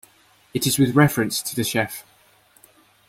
It is with reference to the chef.